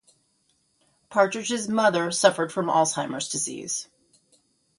Partridge's mother suffered from Alzheimer's disease.